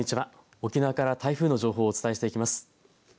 沖縄から台風の情報をお伝えしていきます。